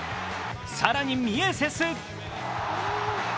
更にミエセス。